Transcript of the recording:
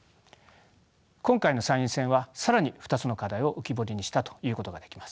今回の参院選は更に２つの課題を浮き彫りにしたと言うことができます。